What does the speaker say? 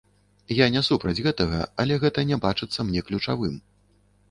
Я не супраць гэтага, але гэта не бачыцца мне ключавым.